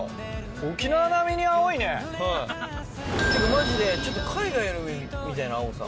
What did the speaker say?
マジで海外の海みたいな青さ。